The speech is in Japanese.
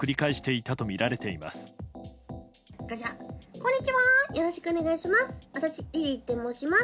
こんにちは、よろしくお願いします！